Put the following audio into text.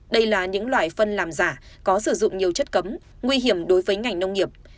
đây là những loại phân làm giả có sử dụng nhiều chất cấm nguy hiểm đối với ngành nông nghiệp